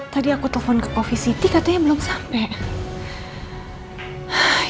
tadi aku telpon ke covisity katanya belum sampai